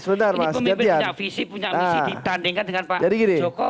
punya visi punya misi ditandingkan dengan pak prabowo